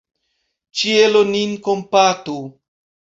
Ĉielo nin kompatu!